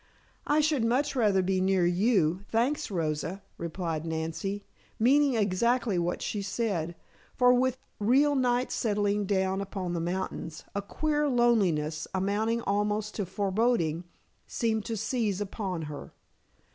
"I should much rather be near you, thanks Rosa," replied Nancy, meaning exactly what she said, for with real night settling down upon the mountains, a queer loneliness amounting almost to foreboding seemed to seize upon her.